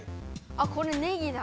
あこれねぎだ。